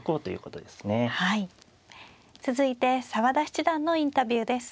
続いて澤田七段のインタビューです。